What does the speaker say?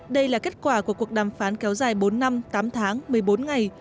đây là kết quả của cuộc đàm phán kéo dài bốn năm tám tháng một mươi bốn ngày